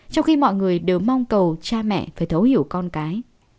trong khi mọi người đều mong cầu cha mẹ phải thấu hiểu con cái